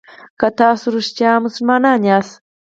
که تاسو رښتیا مسلمانان یاست.